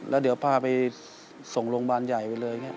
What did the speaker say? แล้วเดี๋ยวพาไปส่งโรงพยาบาลใหญ่ไปเลย